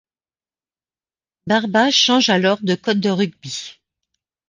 Barba change alors de code de rugby.